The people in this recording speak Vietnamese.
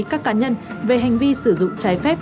các cá nhân về hành vi sử dụng trái phép